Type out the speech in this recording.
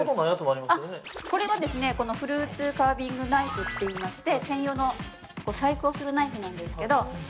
◆これはフルーツカービングナイフといいまして、専用の細工をするナイフなんですけど。